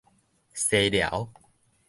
西寮